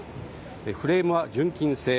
フレームは純金製。